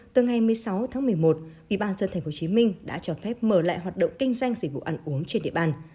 từ ngày một mươi sáu tháng một mươi một ubnd tp hcm đã cho phép mở lại hoạt động kinh doanh dịch vụ ăn uống trên địa bàn